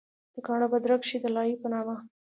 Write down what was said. د کاڼا پۀ دره کښې د “دلائي” پۀ نامه